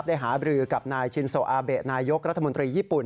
หาบรือกับนายชินโซอาเบะนายกรัฐมนตรีญี่ปุ่น